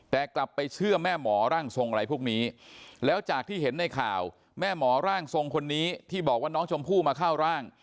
แต่กลับไปเชื่อแม่หมอร่างทรงอะไรพวกนี้แล้วจากที่เห็นในข่าวแม่หมอร่างทรงคนนี้ที่บอกว่าน้องชมพู่มาเข้าร่าง